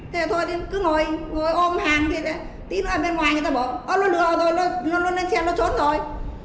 thế thôi cứ ngồi ôm hàng tí nữa bên ngoài người ta bảo ơ nó lừa rồi nó lên xe nó trốn rồi